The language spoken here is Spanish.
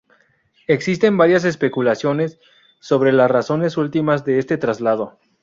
Existen varias especulaciones sobre las razones últimas de este traslado.